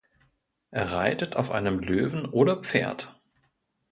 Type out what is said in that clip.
Er reitet auf einem Löwen oder Pferd.